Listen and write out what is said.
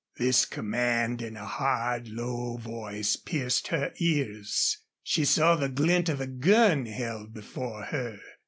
This command in a hard, low voice pierced her ears. She saw the glint of a gun held before her.